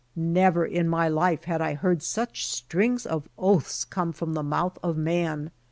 Never in my life had I heard such strings of oaths come from the mouth of man.